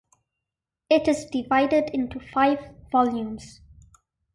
It is divided into five volumes.